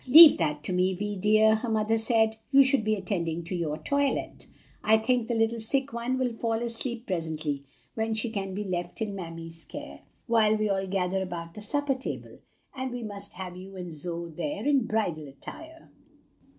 "Leave that to me, Vi dear," her mother said; "you should be attending to your toilet. I think the little sick one will fall asleep presently, when she can be left in Mammy's care, while we all gather about the supper table; and we must have you and Zoe there in bridal attire."